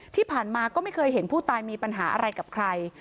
ที่ผ่านมาก็ไม่เคยเห็นผู้ตายมีปัญหาอะไรกับใคร